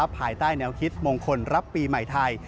ภายใต้แนวคิดมงคลรับปีใหม่ไทย